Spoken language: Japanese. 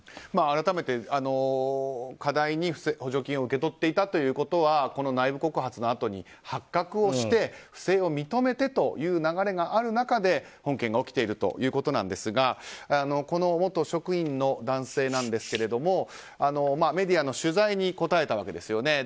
改めて過大に補助金を受け取っていたっていうことはこの内部告発のあとに発覚して不正を認めてという流れがある中で本件が起きているということなんですがこの元職員の男性なんですけれどもメディアの取材に答えたわけです。